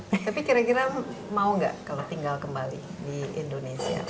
tapi kira kira mau nggak kalau tinggal kembali di indonesia